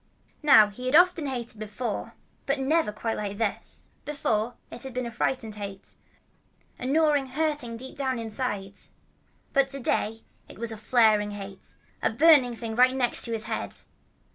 Now he had often hated before, but never quite like this. Before, it had been a frightened hate, a gnawing, hurting thing deep down in his heart. But to day it was a flaring hate, a burning thing right up in his head.